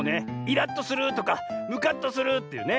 イラッとするとかムカッとするっていうね。